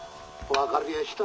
分かりやした」。